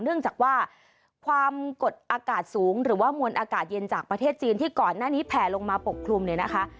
เนื่องจากว่าความกดอากาศสูงหรือว่ามวลอากาศเย็นจากประเทศจีนที่ก่อนหน้านี้แผ่ลงมาปกคลุมเนี่ยนะคะ